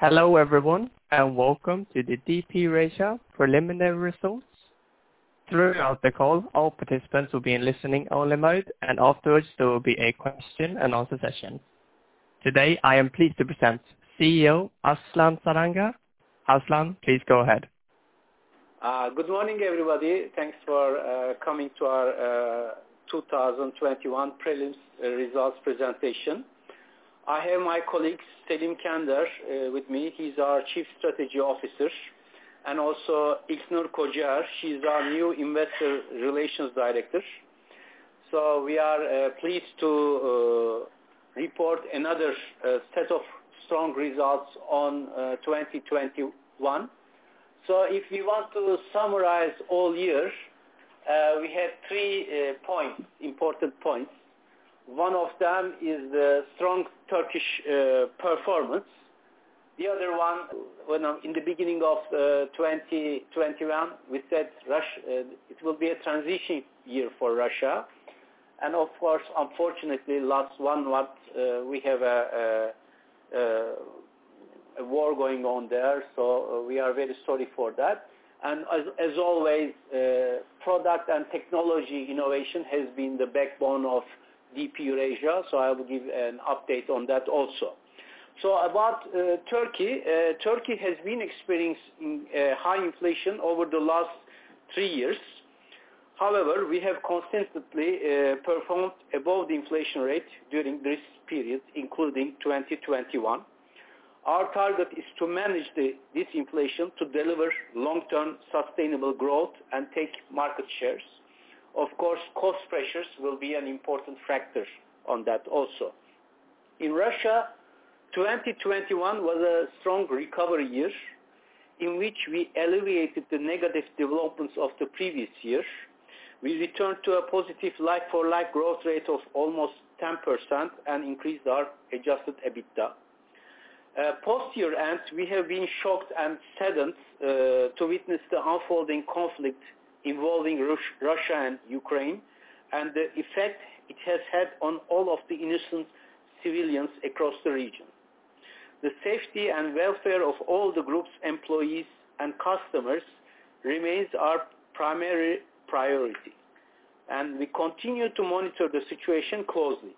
Hello everyone, and welcome to the DP Eurasia preliminary results. Throughout the call, all participants will be in listening only mode, and afterwards there will be a question and answer session. Today, I am pleased to present CEO Aslan Saranga. Aslan, please go ahead. Good morning, everybody. Thanks for coming to our 2021 prelims results presentation. I have my colleague Selim Kender with me. He is our Chief Strategy Officer, and also İlknur Kocaer. She is our new Investor Relations Director. We are pleased to report another set of strong results on 2021. If you want to summarize all year, we have three important points. One of them is the strong Turkish performance. The other one, in the beginning of 2021, we said it will be a transition year for Russia. Of course, unfortunately last one month, we have a war going on there, so we are very sorry for that. As always, product and technology innovation has been the backbone of DP Eurasia, so I will give an update on that also. About Turkey. Turkey has been experiencing high inflation over the last three years. However, we have consistently performed above the inflation rate during this period, including 2021. Our target is to manage this inflation to deliver long-term sustainable growth and take market shares. Of course, cost pressures will be an important factor on that also. In Russia, 2021 was a strong recovery year in which we alleviated the negative developments of the previous year. We returned to a positive like-for-like growth rate of almost 10% and increased our adjusted EBITDA. Post-year end, we have been shocked and saddened to witness the unfolding conflict involving Russia and Ukraine, and the effect it has had on all of the innocent civilians across the region. The safety and welfare of all the group's employees and customers remains our primary priority, and we continue to monitor the situation closely.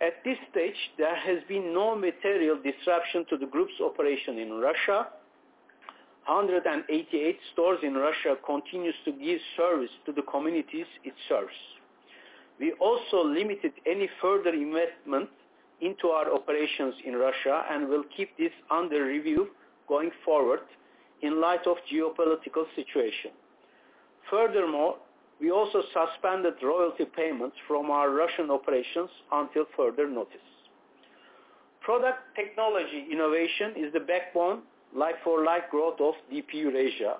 At this stage, there has been no material disruption to the group's operation in Russia. 188 stores in Russia continues to give service to the communities it serves. We also limited any further investment into our operations in Russia and will keep this under review going forward in light of geopolitical situation. Furthermore, we also suspended royalty payments from our Russian operations until further notice. Product technology innovation is the backbone like-for-like growth of DP Eurasia,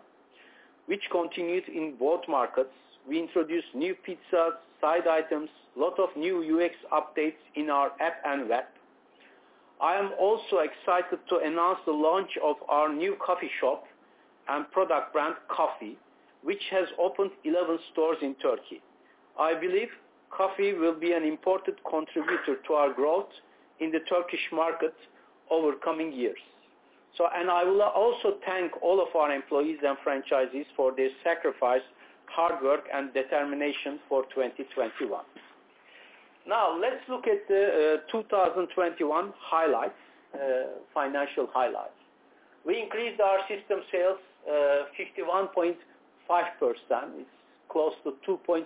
which continues in both markets. We introduced new pizzas, side items, lot of new UX updates in our app and web. I am also excited to announce the launch of our new coffee shop and product brand, COFFY, which has opened 11 stores in Turkey. I believe COFFY will be an important contributor to our growth in the Turkish market over coming years. I will also thank all of our employees and franchisees for their sacrifice, hard work, and determination for 2021. Now, let's look at the 2021 highlights, financial highlights. We increased our system sales 51.5%. It's close to 2.4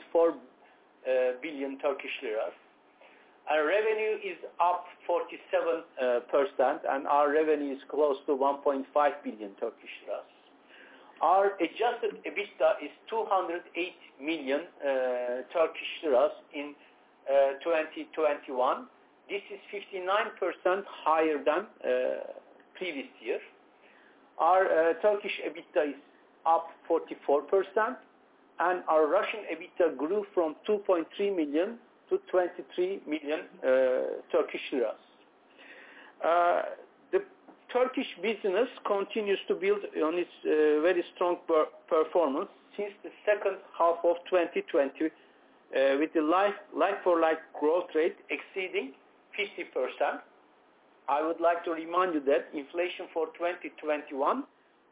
billion Turkish lira. Our revenue is up 47%, and our revenue is close to 1.5 billion Turkish lira. Our adjusted EBITDA is 208 million Turkish lira in 2021. This is 59% higher than previous year. Our Turkish EBITDA is up 44%, and our Russian EBITDA grew from 2.3 million to 23 million Turkish lira. The Turkish business continues to build on its very strong performance since the second half of 2020 with the like-for-like growth rate exceeding 50%. I would like to remind you that inflation for 2021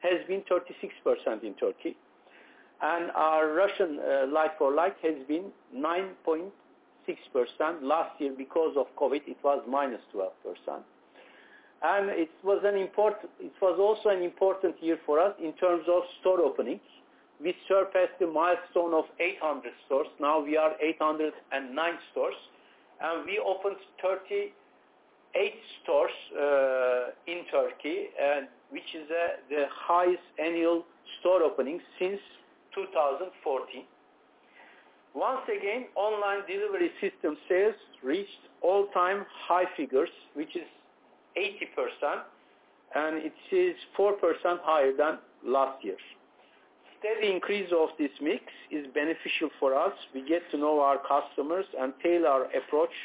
has been 36% in Turkey, and our Russian like-for-like has been 9.6%. Last year because of COVID, it was -12%. It was also an important year for us in terms of store openings. We surpassed the milestone of 800 stores. Now we are 809 stores. We opened 38 stores in Turkey, which is the highest annual store opening since 2014. Once again, online delivery system sales reached all-time high figures, which is 80%, and it is 4% higher than last year. Steady increase of this mix is beneficial for us. We get to know our customers and tailor our approach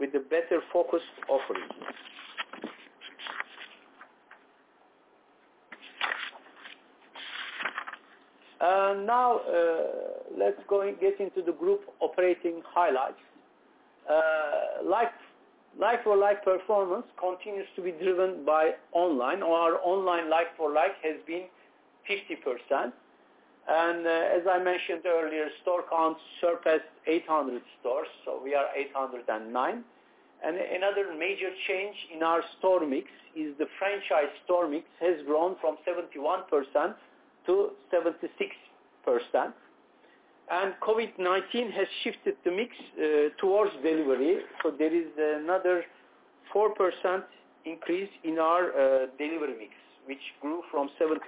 with a better focused offering. Now, let's go and get into the group operating highlights. Like-for-like performance continues to be driven by online. Our online like-for-like has been 50%. As I mentioned earlier, store counts surpassed 800 stores. We are 809. Another major change in our store mix is the franchise store mix has grown from 71% to 76%. COVID-19 has shifted the mix towards delivery. There is another 4% increase in our delivery mix, which grew from 74%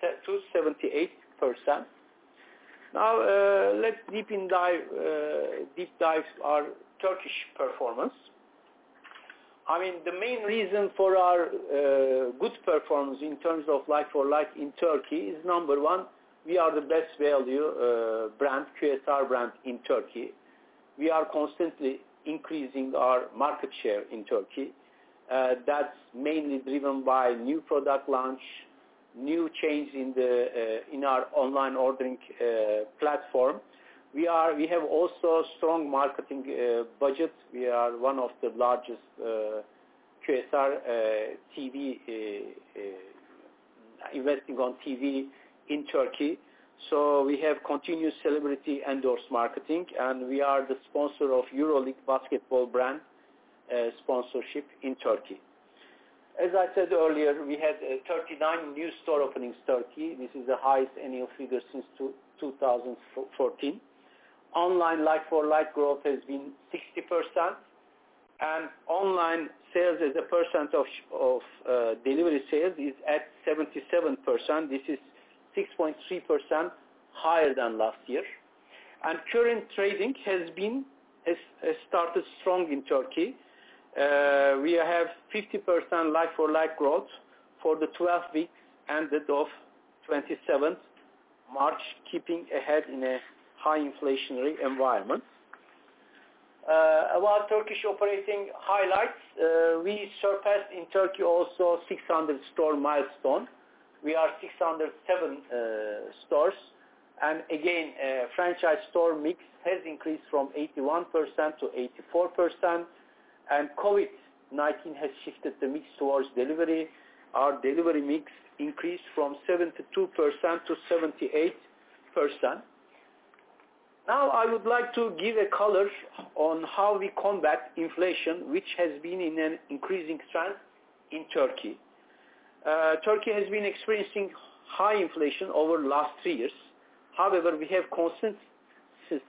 to 78%. Now, let's deep dive our Turkish performance. I mean, the main reason for our good performance in terms of like-for-like in Turkey is number one, we are the best value brand, QSR brand in Turkey. We are constantly increasing our market share in Turkey. That's mainly driven by new product launch, new change in our online ordering platform. We have also strong marketing budgets. We are one of the largest QSR TV investing on TV in Turkey. We have continuous celebrity endorsement marketing, and we are the sponsor of Euroleague Basketball brand sponsorship in Turkey. As I said earlier, we had 39 new store openings in Turkey. This is the highest annual figure since 2014. Online like-for-like growth has been 60%, and online sales as a percent of delivery sales is at 77%. This is 6.3% higher than last year. Current trading has started strong in Turkey. We have 50% like-for-like growth for the 12 weeks ended March 27, keeping ahead in a high inflationary environment. Our Turkish operating highlights, we surpassed in Turkey also 600-store milestone. We have 607 stores. Again, franchise store mix has increased from 81% to 84%, and COVID-19 has shifted the mix towards delivery. Our delivery mix increased from 72% to 78%. Now, I would like to give a color on how we combat inflation, which has been in an increasing trend in Turkey. Turkey has been experiencing high inflation over the last three years. However, we have consistently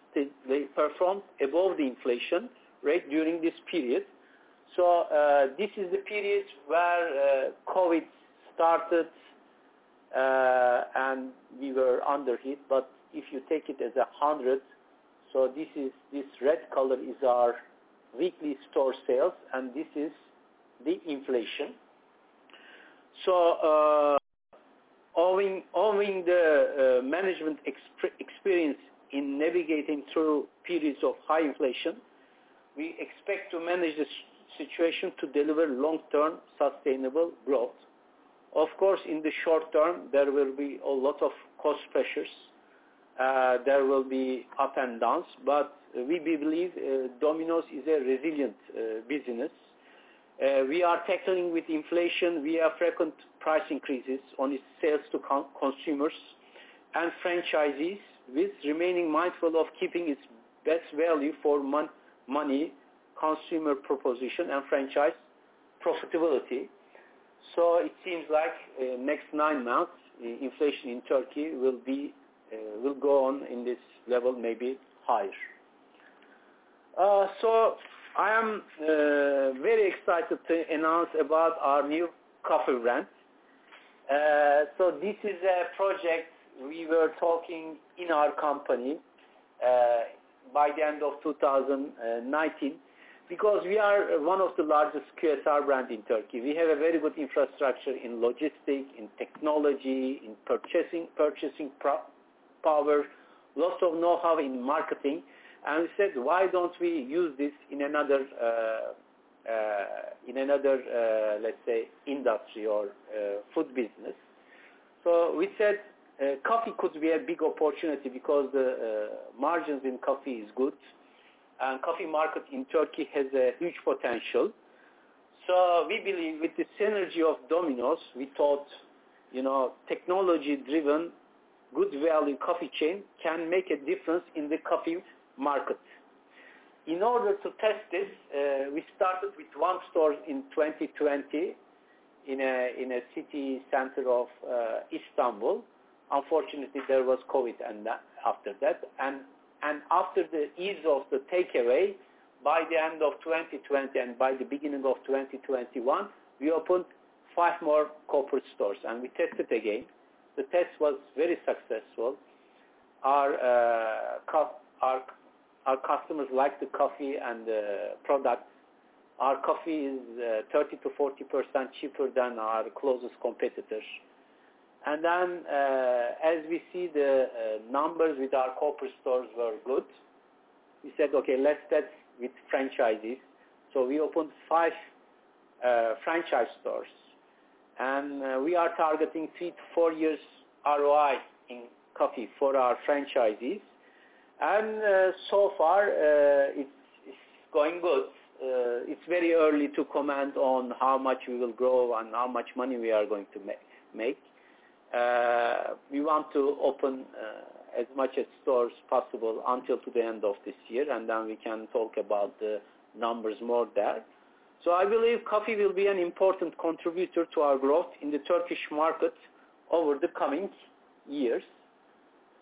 performed above the inflation rate during this period. This is the period where COVID started, and we were under it. If you take it as 100, this red color is our weekly store sales, and this is the inflation. Owing to the management experience in navigating through periods of high inflation, we expect to manage the situation to deliver long-term sustainable growth. Of course, in the short-term, there will be a lot of cost pressures. There will be ups and downs, but we believe Domino's is a resilient business. We are tackling with inflation via frequent price increases on its sales to consumers and franchisees, while remaining mindful of keeping its best value for money consumer proposition and franchise profitability. It seems like next nine months, inflation in Turkey will be, will go on in this level, maybe higher. I am very excited to announce about our new coffee brand. This is a project we were talking in our company, by the end of 2019, because we are one of the largest QSR brand in Turkey. We have a very good infrastructure in logistic, in technology, in purchasing power, lots of know-how in marketing. We said, "Why don't we use this in another, let's say, industry or, food business?" We said coffee could be a big opportunity because the margins in coffee is good, and coffee market in Turkey has a huge potential. We believe with the synergy of Domino's, we thought, you know, technology-driven, good value coffee chain can make a difference in the coffee market. In order to test this, we started with one store in 2020 in a city center of Istanbul. Unfortunately, there was COVID and that after that. After the ease of the takeaway, by the end of 2020 and by the beginning of 2021, we opened five more corporate stores, and we tested again. The test was very successful. Our customers like the coffee and the products. Our COFFY is 30%-40% cheaper than our closest competitors. As we see the numbers with our corporate stores were good. We said, okay, let's start with franchisees. We opened five franchise stores, and we are targeting 3-4 years ROI in COFFY for our franchisees. So far, it's going good. It's very early to comment on how much we will grow and how much money we are going to make. We want to open as many stores as possible until the end of this year, and then we can talk about the numbers more there. I believe COFFY will be an important contributor to our growth in the Turkish market over the coming years.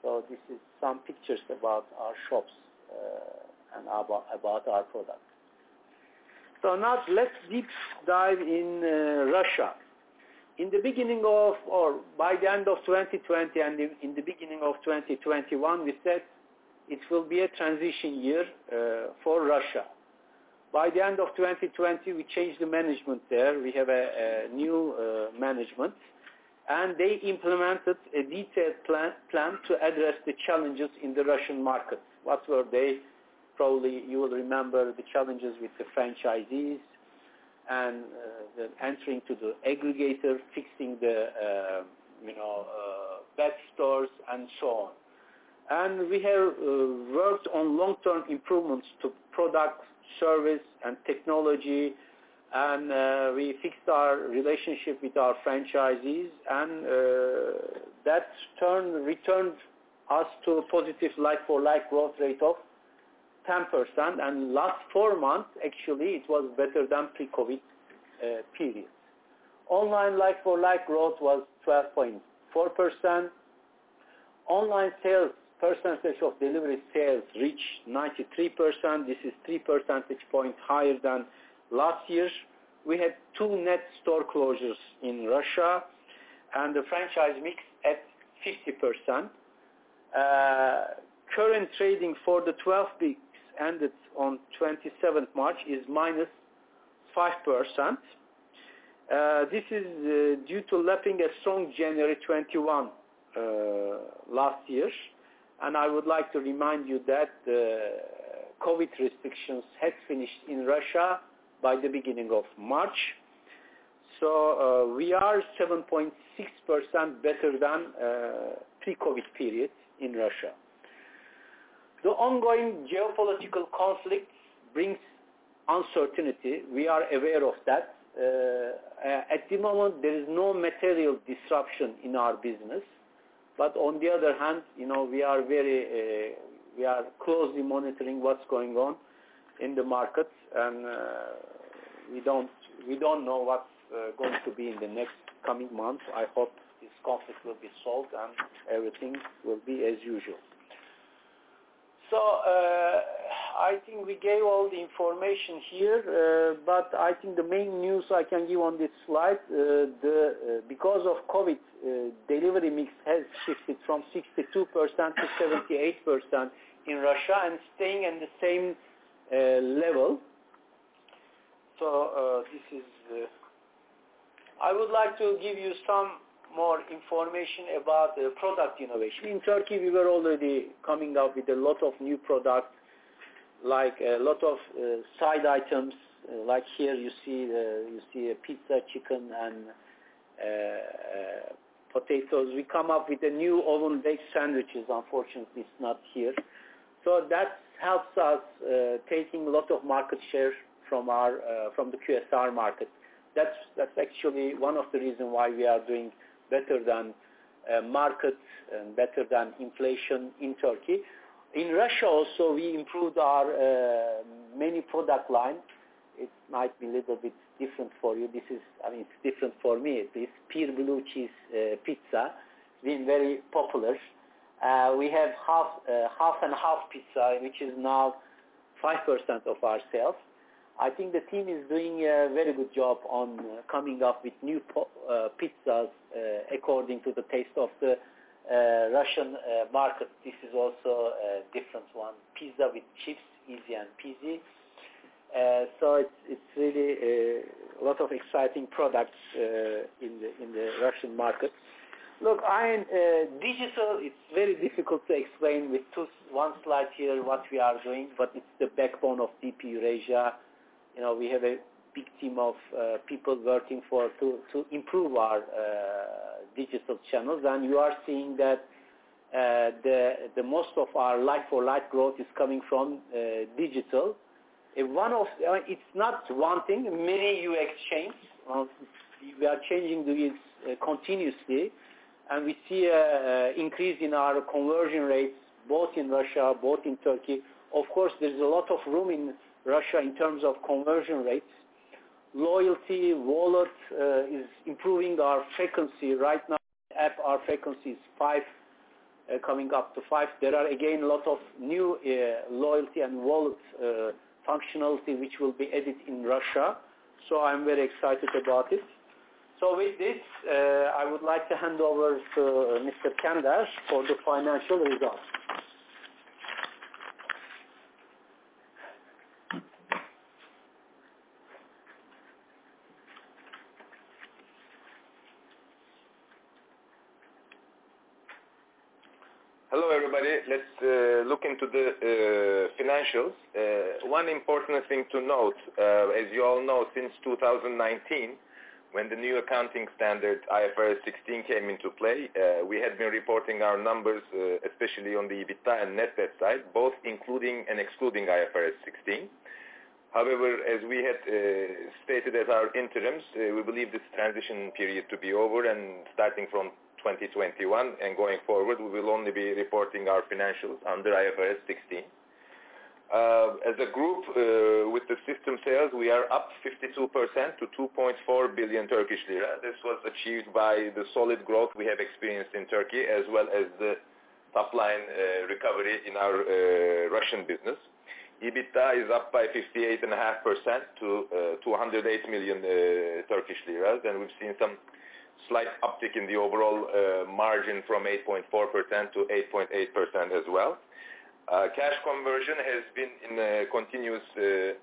This is some pictures about our shops and about our product. Now let's deep dive into Russia. In the beginning of or by the end of 2020 and in the beginning of 2021, we said it will be a transition year for Russia. By the end of 2020, we changed the management there. We have a new management, and they implemented a detailed plan to address the challenges in the Russian market. What were they? Probably you will remember the challenges with the franchisees and the entering to the aggregator, fixing the you know bad stores and so on. We have worked on long-term improvements to product, service, and technology, and we fixed our relationship with our franchisees, and that's returned us to a positive like-for-like growth rate of 10%. Last four months, actually, it was better than pre-COVID period. Online like-for-like growth was 12.4%. Online sales percentage of delivery sales reached 93%. This is 3 percentage points higher than last year. We had two net store closures in Russia and the franchise mix at 50%. Current trading for the 12 weeks ended on 27th March is -5%. This is due to lapping a strong January 2021 last year. I would like to remind you that the COVID restrictions had finished in Russia by the beginning of March. We are 7.6% better than pre-COVID period in Russia. The ongoing geopolitical conflict brings uncertainty. We are aware of that. At the moment, there is no material disruption in our business. On the other hand, you know, we are closely monitoring what's going on in the market and we don't know what's going to be in the next coming months. I hope this conflict will be solved and everything will be as usual. I think we gave all the information here. I think the main news I can give on this slide, because of COVID, delivery mix has shifted from 62% to 78% in Russia and staying in the same level. I would like to give you some more information about the product innovation. In Turkey, we were already coming out with a lot of new products, like a lot of side items. Like, here you see a pizza, chicken and potatoes. We come up with a new oven-baked sandwiches. Unfortunately, it's not here. That helps us taking a lot of market share from the QSR market. That's actually one of the reason why we are doing better than markets and better than inflation in Turkey. In Russia also, we improved our many product line. It might be a little bit different for you. This, I mean, it's different for me. This pear blue cheese pizza been very popular. We have half and half pizza, which is now 5% of our sales. I think the team is doing a very good job on coming up with new pizzas according to the taste of the Russian market. This is also a different one, pizza with chips, easy and peasy. So it's really a lot of exciting products in the Russian market. Look, in digital, it's very difficult to explain with one slide here what we are doing, but it's the backbone of DP Eurasia. You know, we have a big team of people working to improve our digital channels. You are seeing that the most of our like-for-like growth is coming from digital. One of... it's not one thing, many UX changes. We are changing these continuously, and we see an increase in our conversion rates, both in Russia and in Turkey. Of course, there's a lot of room in Russia in terms of conversion rates. Loyalty wallet is improving our frequency. Right now, order frequency is five, coming up to five. There are again a lot of new loyalty and wallet functionality which will be added in Russia. I'm very excited about it. With this, I would like to hand over to Mr. Kender for the financial results. Hello, everybody. Let's look into the financials. One important thing to note, as you all know, since 2019, when the new accounting standard IFRS 16 came into play, we had been reporting our numbers, especially on the EBITDA and net debt side, both including and excluding IFRS 16. However, as we had stated as our interims, we believe this transition period to be over, and starting from 2021 and going forward, we will only be reporting our financials under IFRS 16. As a group, with the system sales, we are up 52% to 2.4 billion Turkish lira. This was achieved by the solid growth we have experienced in Turkey, as well as the top-line recovery in our Russian business. EBITDA is up by 58.5% to 208 million Turkish lira, and we've seen some slight uptick in the overall margin from 8.4% to 8.8% as well. Cash conversion has been in a continuous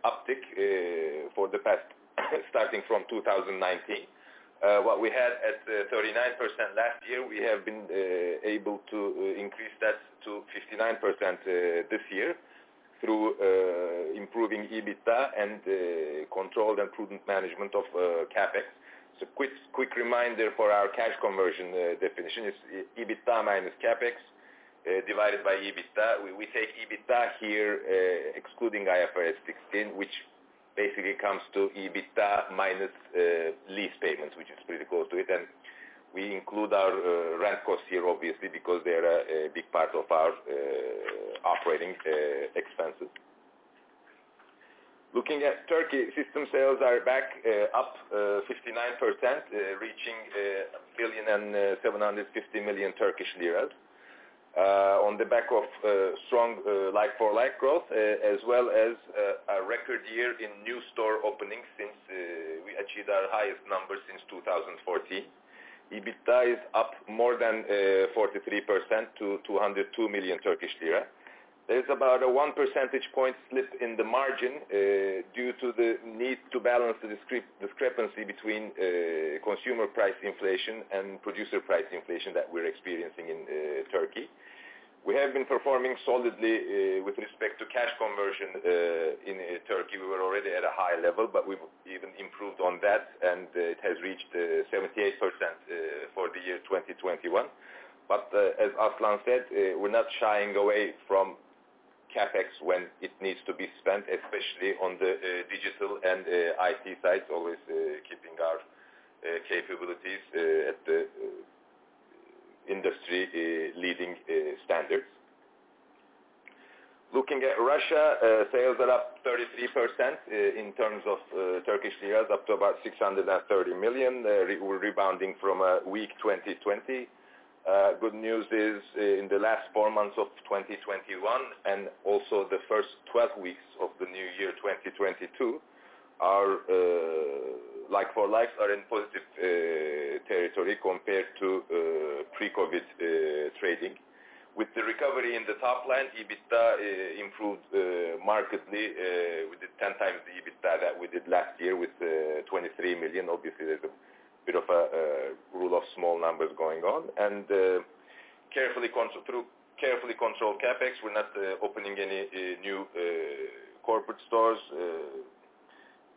uptick for the past starting from 2019. What we had at 39% last year, we have been able to increase that to 59% this year through improving EBITDA and controlled and prudent management of CapEx. Quick reminder for our cash conversion definition is EBITDA minus CapEx divided by EBITDA. We say EBITDA here excluding IFRS 16, which basically comes to EBITDA minus lease payments, which is pretty close to it. We include our rent costs here, obviously, because they're a big part of our operating expenses. Looking at Turkey, system sales are back up 59%, reaching 1,750 million Turkish lira on the back of strong like-for-like growth as well as a record year in new store openings since we achieved our highest numbers since 2014. EBITDA is up more than 43% to 202 million Turkish lira. There's about a 1 percentage point slip in the margin due to the need to balance the discrepancy between consumer price inflation and producer price inflation that we're experiencing in Turkey. We have been performing solidly with respect to cash conversion in Turkey. We were already at a high level, but we've even improved on that, and it has reached 78% for the year 2021. As Aslan said, we're not shying away from CapEx when it needs to be spent, especially on the digital and IT sides, always keeping our capabilities at the industry-leading standards. Looking at Russia, sales are up 33% in terms of Turkish liras, up to about 630 million. We're rebounding from a weak 2020. Good news is in the last four months of 2021 and also the first 12 weeks of the new year, 2022, our like-for-likes are in positive territory compared to pre-COVID trading. With the recovery in the top line, EBITDA improved markedly, with 10x the EBITDA that we did last year with 23 million. Obviously, there's a bit of a rule of small numbers going on. Through carefully controlled CapEx, we're not opening any new corporate stores.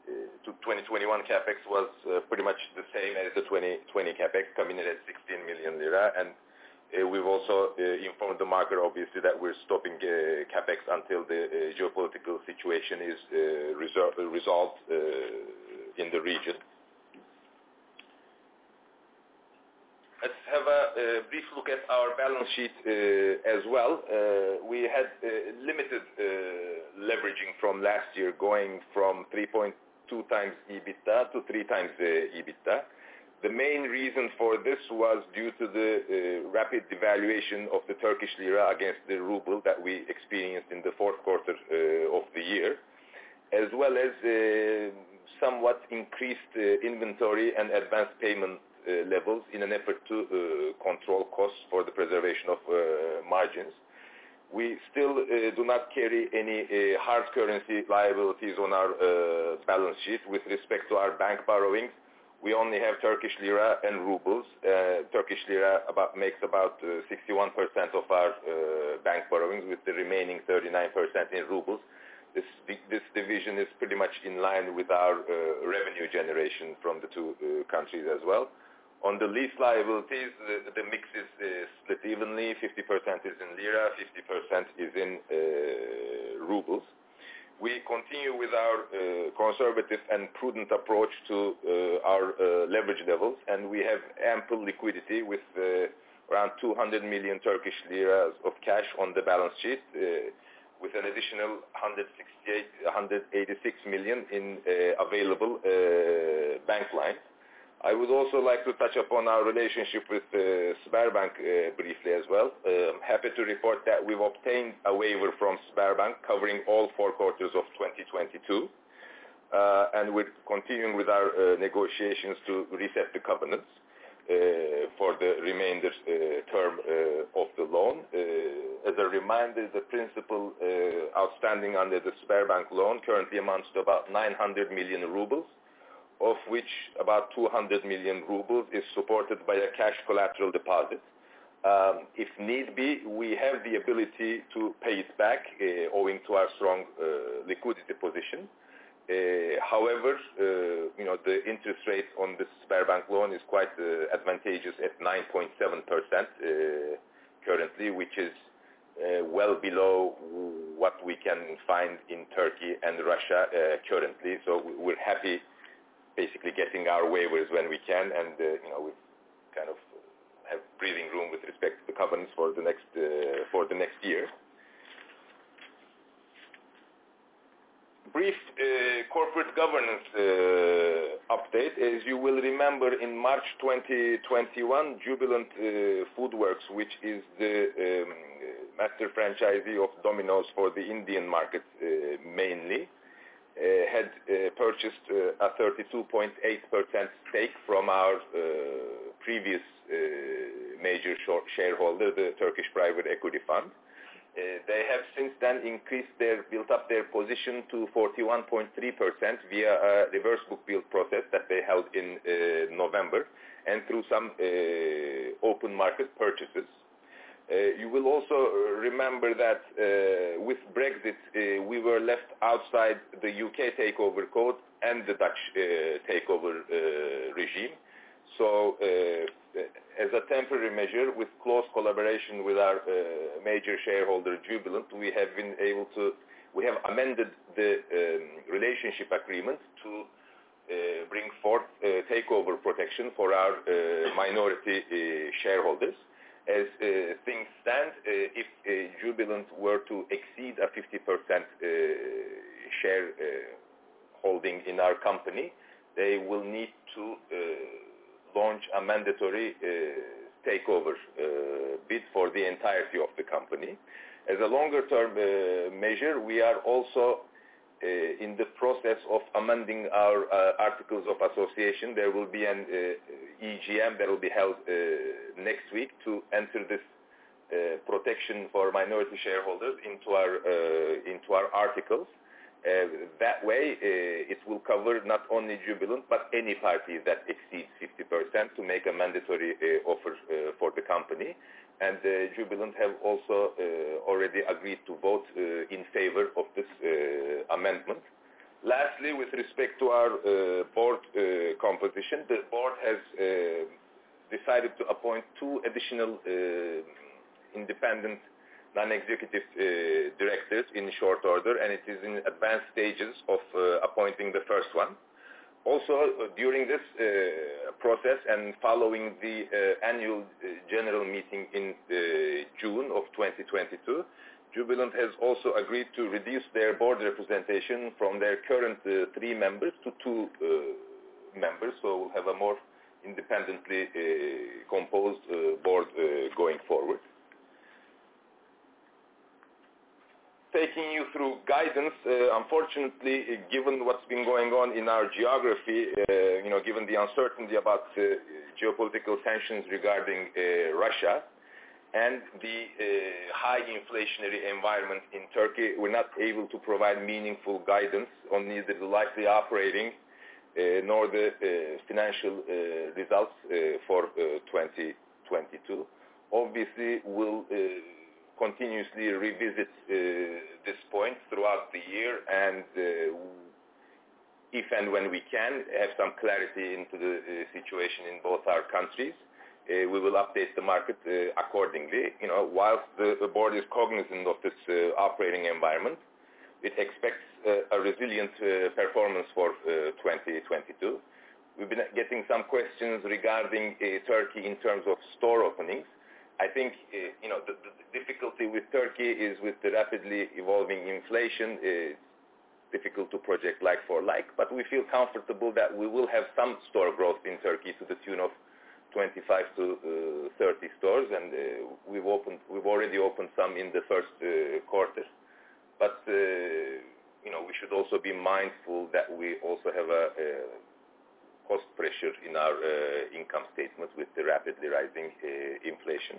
Into 2021 CapEx was pretty much the same as the 2020 CapEx, coming in at 16 million lira. We've also informed the market obviously that we're stopping CapEx until the geopolitical situation is resolved in the region. Let's have a brief look at our balance sheet as well. We had limited leveraging from last year, going from 3.2x EBITDA to 3x EBITDA. The main reason for this was due to the rapid devaluation of the Turkish lira against the ruble that we experienced in the fourth quarter of the year, as well as somewhat increased inventory and advanced payment levels in an effort to control costs for the preservation of margins. We still do not carry any hard currency liabilities on our balance sheet with respect to our bank borrowings. We only have Turkish lira and rubles. Turkish lira makes about 61% of our bank borrowings, with the remaining 39% in rubles. This division is pretty much in line with our revenue generation from the two countries as well. On the lease liabilities, the mix is split evenly. 50% is in lira, 50% is in rubles. We continue with our conservative and prudent approach to our leverage levels, and we have ample liquidity with around 200 million Turkish lira of cash on the balance sheet with an additional 186 million in available bank line. I would also like to touch upon our relationship with Sberbank briefly as well. I'm happy to report that we've obtained a waiver from Sberbank covering all four quarters of 2022. We're continuing with our negotiations to reset the covenants for the remainder term. As a reminder, the principal outstanding under the Sberbank loan currently amounts to about 900 million rubles, of which about 200 million rubles is supported by a cash collateral deposit. If need be, we have the ability to pay it back, owing to our strong liquidity position. However, you know, the interest rate on the Sberbank loan is quite advantageous at 9.7%, currently, which is well below what we can find in Turkey and Russia, currently. We're happy basically getting our way with it when we can and, you know, we kind of have breathing room with respect to the covenants for the next year. Brief corporate governance update. As you will remember, in March 2021, Jubilant FoodWorks, which is the master franchisee of Domino's for the Indian market, mainly, had purchased a 32.8% stake from our previous major shareholder, the Turkish Private Equity Fund. They have since then built up their position to 41.3% via a reverse book build process that they held in November and through some open market purchases. You will also remember that with Brexit we were left outside the U.K. takeover code and the Dutch takeover regime. As a temporary measure with close collaboration with our major shareholder Jubilant we have amended the relationship agreement to bring forth takeover protection for our minority shareholders. As things stand if Jubilant were to exceed a 50% shareholding in our company they will need to launch a mandatory takeover bid for the entirety of the company. As a longer-term measure, we are also in the process of amending our articles of association. There will be an EGM that will be held next week to enter this protection for minority shareholders into our articles. That way, it will cover not only Jubilant, but any party that exceeds 50% to make a mandatory offer for the company. Jubilant have also already agreed to vote in favor of this amendment. Lastly, with respect to our board composition, the board has decided to appoint two additional independent non-executive directors in short order, and it is in advanced stages of appointing the first one. Also, during this process and following the annual general meeting in June of 2022, Jubilant has also agreed to reduce their board representation from their current three members to two members. We'll have a more independently composed board going forward. Taking you through guidance, unfortunately, given what's been going on in our geography, you know, given the uncertainty about geopolitical tensions regarding Russia and the high inflationary environment in Turkey, we're not able to provide meaningful guidance on neither the likely operating nor the financial results for 2022. Obviously, we'll continuously revisit this point throughout the year and if and when we can have some clarity into the situation in both our countries, we will update the market accordingly. You know, while the board is cognizant of this operating environment, it expects a resilient performance for 2022. We've been getting some questions regarding Turkey in terms of store openings. I think you know the difficulty with Turkey is with the rapidly evolving inflation, difficult to project like-for-like. But we feel comfortable that we will have some store growth in Turkey to the tune of 25-30 stores, and we've already opened some in the first quarter. But you know, we should also be mindful that we also have a cost pressure in our income statement with the rapidly rising inflation.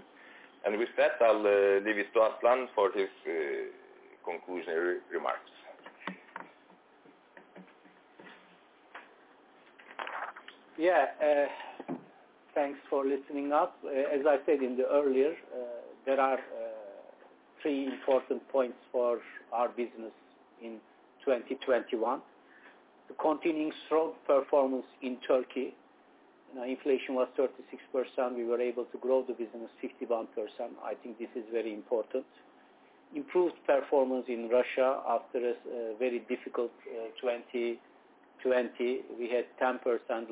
With that, I'll leave it to Aslan for his concluding remarks. Yeah. Thanks for listening up. As I said earlier, there are three important points for our business in 2021. The continuing strong performance in Turkey. You know, inflation was 36%. We were able to grow the business 51%. I think this is very important. Improved performance in Russia after a very difficult 2020. We had 10%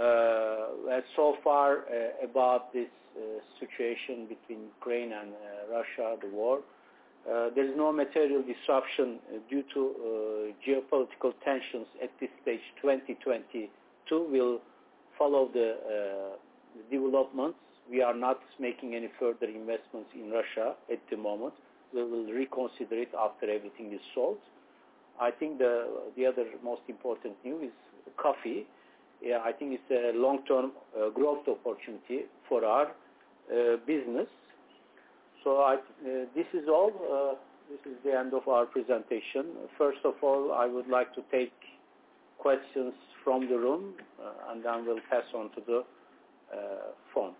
like-for-like. As of now, about this situation between Ukraine and Russia, the war, there is no material disruption due to geopolitical tensions at this stage. 2022 will follow the developments. We are not making any further investments in Russia at the moment. We will reconsider it after everything is solved. I think the other most important thing is COFFY. Yeah, I think it's a long-term growth opportunity for our business. This is all. This is the end of our presentation. First of all, I would like to take questions from the room, and then we'll pass on to the phone.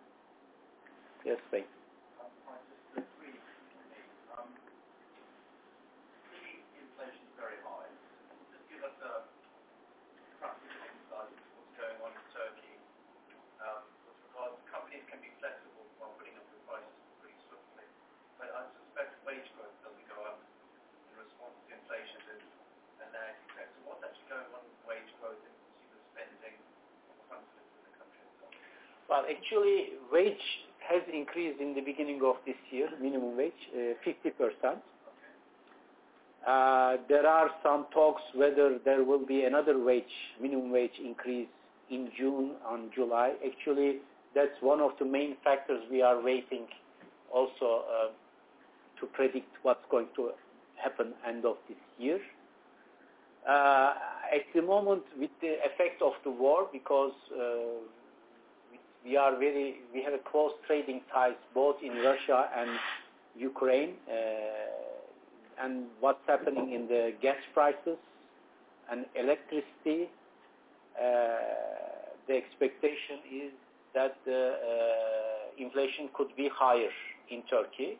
Yes, please. Just briefly. Clearly inflation is very high. Could you give us a practical insight into what's going on in Turkey? Because companies can be flexible while putting up with prices pretty softly. I suspect wage growth doesn't go up in response to inflation and their effects. What's actually going on with wage growth and consumer spending on the front lines of the country as well? Well, actually, wage has increased in the beginning of this year, minimum wage, 50%. Okay. There are some talks whether there will be another minimum wage increase in June and July. Actually, that's one of the main factors we are waiting also to predict what's going to happen end of this year. At the moment, with the effect of the war, because we have close trading ties both in Russia and Ukraine. What's happening in the gas prices and electricity, the expectation is that the inflation could be higher in Turkey.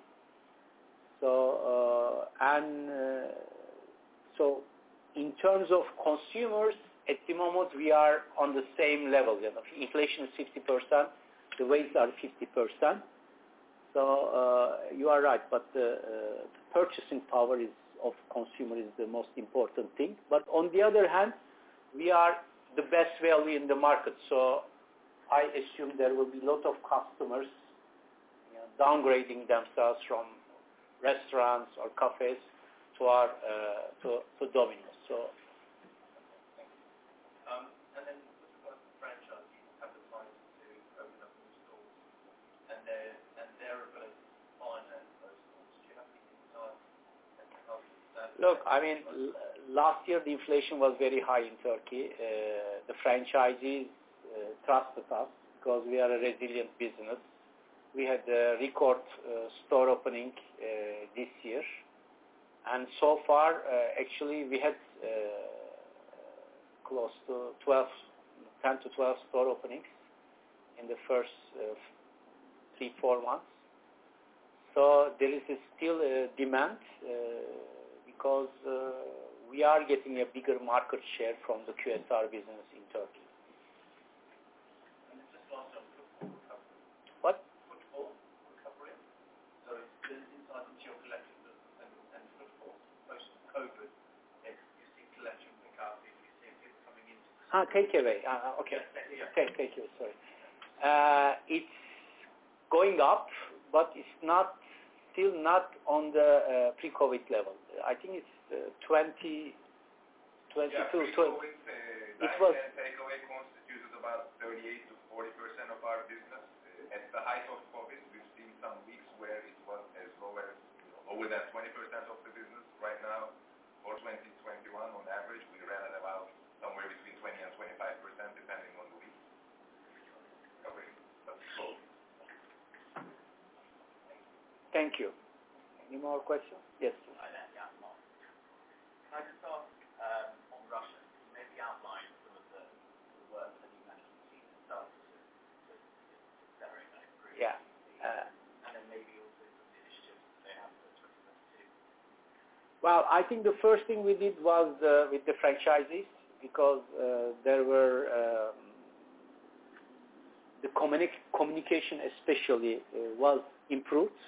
In terms of consumers, at the moment, we are on the same level. The inflation is 60%, the rates are 50%. You are right, but the purchasing power of consumer is the most important thing. On the other hand, we are the best value in the market. I assume there will be a lot of customers, you know, downgrading themselves from restaurants or cafés to our to Domino's, so. Okay, thank you. Just on the franchise, you have the plans to open up more stores, and their ability to finance those stores. Do you have any insights into how they stand? Look, I mean, last year, the inflation was very high in Turkey. The franchisees trust us because we are a resilient business. We had a record store opening this year. So far, actually, we had close to 12, 10-12 store openings in the first 3-4 months. There is still a demand because we are getting a bigger market share from the QSR business in Turkey. Just last on footfall recovery. What? Footfall recovery. The insight into your collection and footfall, post-COVID, you see collection pick up, you see people coming in to- Takeaway. Okay. Yeah. Thank you. Sorry. It's going up, but it's still not on the pre-COVID level. I think it's 2022. It was- constituted about 38%-40% of our business. At the height of COVID, we've seen some weeks where it was as low as lower than 20% of the business. Right now, for 2021, on average, we ran at about somewhere between 20%-25%, depending on the week. Okay. That's all. Thank you. Any more questions? Yes. Hi there. Yeah, Aslan. Can I just ask, on Russia, can you maybe outline some of the work that you mentioned you've done to separate that pre- Yeah. Maybe also some initiatives that they have to address too. Well, I think the first thing we did was with the franchisees, because there were. The communication especially was improved.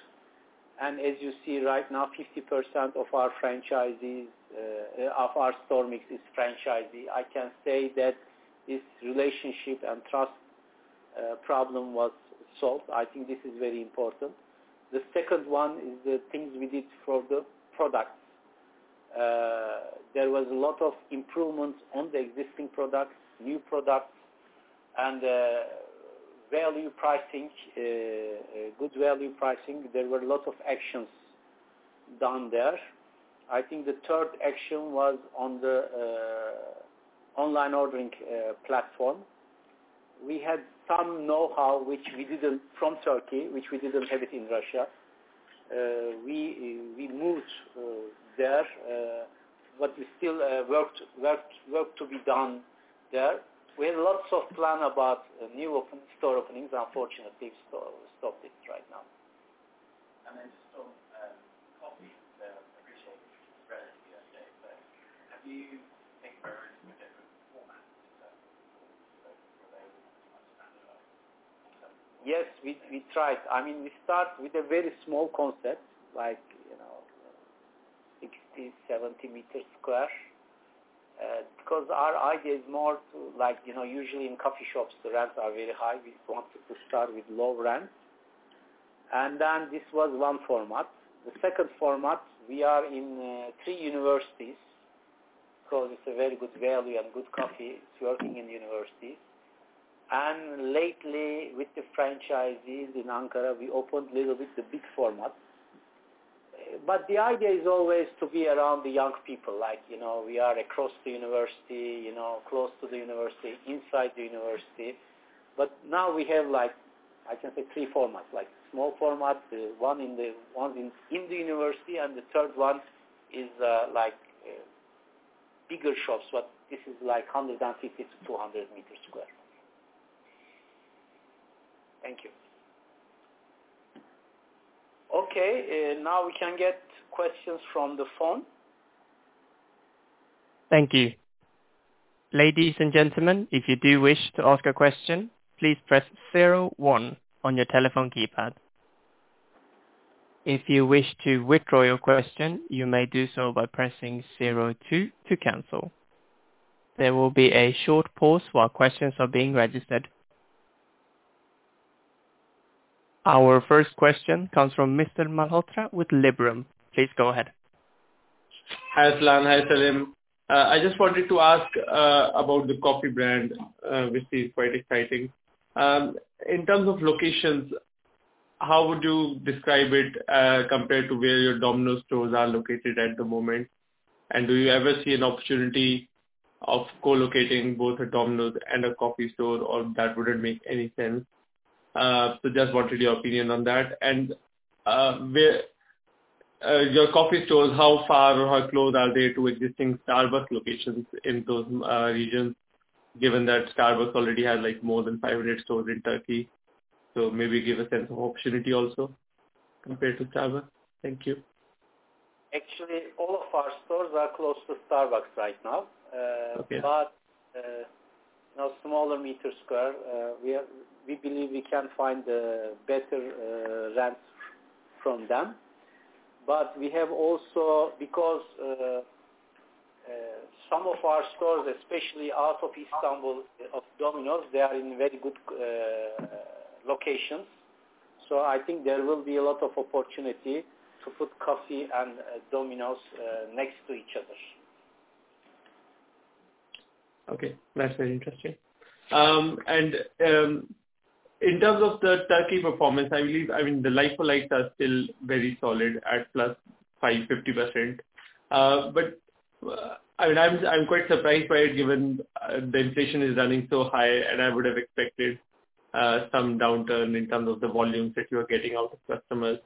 As you see right now, 50% of our franchisees of our store mix is franchisee. I can say that this relationship and trust problem was solved. I think this is very important. The second one is the things we did for the products. There was a lot of improvements on the existing products, new products, and value pricing, good value pricing. There were a lot of actions done there. I think the third action was on the online ordering platform. We had some know-how from Turkey, which we didn't have it in Russia. We moved there, but we still work to be done there. We had lots of plans about new openings, store openings. Unfortunately, we've stopped it right now. Just on coffee, the results were relatively okay. Have you taken priority with different formats in Turkey before you spoke today on standardizing certain- Yes, we tried. I mean, we start with a very small concept like, you know, 60 sq m, 70 sq m. Because our idea is more to like, you know, usually in coffee shops, the rents are very high. We wanted to start with low rent. Then this was one format. The second format, we are in three universities, because it's a very good value and good coffee. It's working in university. Lately with the franchises in Ankara, we opened little bit the big format. The idea is always to be around the young people like, you know, we are across the university, you know, close to the university, inside the university. Now we have like I can say three formats, like small format, one in the university, and the third one is like bigger shops. But this is like 150 sq m to 200 sq m. Thank you. Okay, now we can get questions from the phone. Our first question comes from Mr. Malhotra with Liberum. Please go ahead. Hi, Aslan. Hi, Selim. I just wanted to ask about the coffee brand, which is quite exciting. In terms of locations, how would you describe it compared to where your Domino's stores are located at the moment? Do you ever see an opportunity of co-locating both a Domino's and a coffee store, or that wouldn't make any sense? Just wanted your opinion on that. Your coffee stores, how far or how close are they to existing Starbucks locations in those regions, given that Starbucks already has, like, more than 500 stores in Turkey? Maybe give a sense of opportunity also compared to Starbucks. Thank you. Actually, all of our stores are close to Starbucks right now. Okay. You know, smaller square meters. We believe we can find better rents from them. We have also because some of our stores, especially outside Istanbul Domino's, they are in very good locations. I think there will be a lot of opportunity to put COFFY and Domino's next to each other. Okay. That's very interesting. In terms of the Turkey performance, I believe, I mean, the like-for-likes are still very solid at +50%. I mean, I'm quite surprised by it given the inflation is running so high, and I would have expected some downturn in terms of the volumes that you are getting out of customers.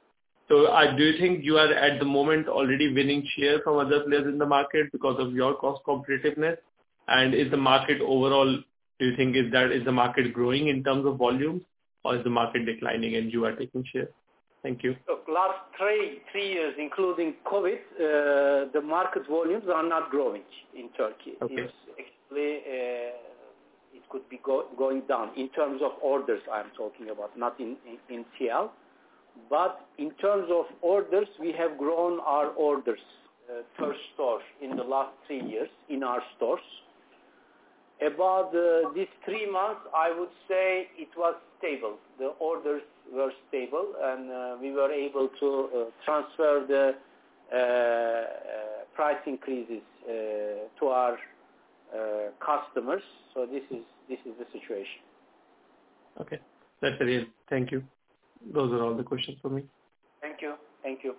I do think you are, at the moment, already winning share from other players in the market because of your cost competitiveness. Is the market overall, do you think, growing in terms of volumes or is the market declining and you are taking share? Thank you. The last three years, including COVID, the market volumes are not growing in Turkey. Okay. It's actually, it could be going down. In terms of orders, I'm talking about, not in TL. But in terms of orders, we have grown our orders per store in the last three years in our stores. About these three months, I would say it was stable. The orders were stable and we were able to transfer the price increases to our customers. This is the situation. Okay. That's it. Thank you. Those are all the questions from me. Thank you. Thank you.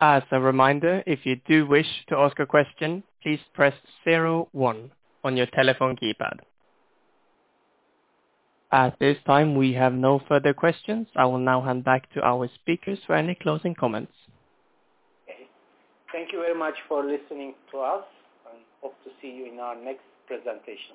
As a reminder, if you do wish to ask a question, please press zero one on your telephone keypad. At this time, we have no further questions. I will now hand back to our speakers for any closing comments. Okay. Thank you very much for listening to us and hope to see you in our next presentation.